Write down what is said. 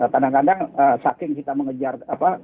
kadang kadang saking kita mengejar apa